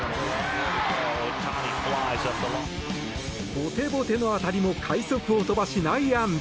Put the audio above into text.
ぼてぼての当たりも快足を飛ばし内野安打。